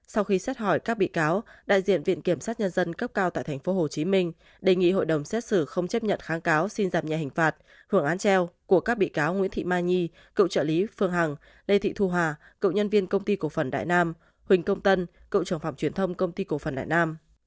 sau khi xét hỏi các bị cáo đại diện viện kiểm sát nhân dân cấp cao tại tp hcm đề nghị hội đồng xét xử không chấp nhận kháng cáo xin giảm nhẹ hình phạt hưởng án treo của các bị cáo nguyễn thị mai nhi cựu trợ lý phương hằng lê thị thu hòa cựu nhân viên công ty cổ phần đại nam huỳnh công tân cựu trưởng phòng truyền thông công ty cổ phần đại nam